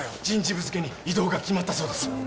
人事部付けに異動が決まったそうです